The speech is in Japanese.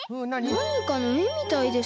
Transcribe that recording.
なにかのえみたいですね。